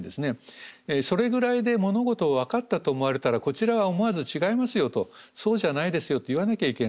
それぐらいで物事を分かったと思われたらこちらは思わず違いますよとそうじゃないですよと言わなきゃいけない。